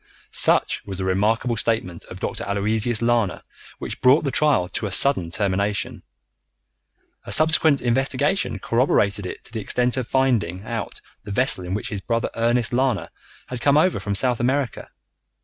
Such was the remarkable statement of Dr. Aloysius Lana which brought the trial to a sudden termination. A subsequent investigation corroborated it to the extent of finding out the vessel in which his brother Ernest Lana had come over from South America.